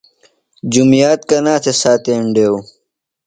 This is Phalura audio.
جُمیات کنا تھےۡ ساتینڈیو؟